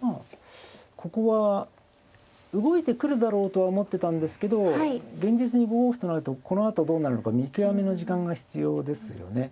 まあここは動いてくるだろうとは思ってたんですけど現実に５五歩となるとこのあとどうなるのか見極めの時間が必要ですよね。